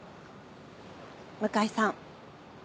向井さん。